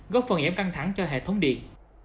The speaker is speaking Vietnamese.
góp phần giảm căng thẳng cho hệ thống điện